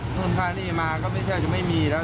จ้างแหน่งนี้มาก็ไม่ใช่จะไม่มีแล้ว